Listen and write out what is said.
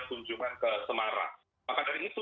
kunjungan ke semarang maka dari itu